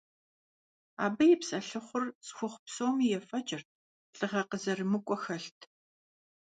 Абы и псэлъыхъур цӀыхухъу псоми ефӀэкӀырт, лӀыгъэ къызэрымыкӀуэ хэлът.